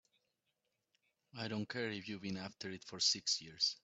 I don't care if you've been after it for six years!